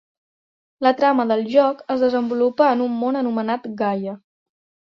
La trama del joc es desenvolupa en un món anomenat Gaia.